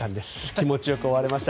気持ちよく終われました。